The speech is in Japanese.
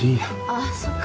あっそっか。